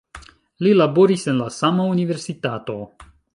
Li laboris en la sama universitato.